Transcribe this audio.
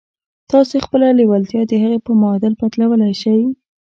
تاسې خپله لېوالتیا د هغې په معادل بدلولای شئ